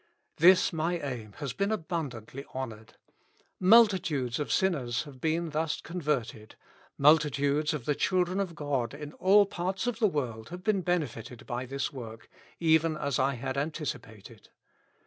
This my aim has been abundantly honored. Multitudes of sinners have been thus converted, multitudes of the children of God in all parts of the world have been benefited by this work, even as I had antici pated.